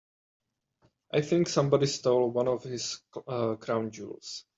I think somebody stole one of his crown jewels.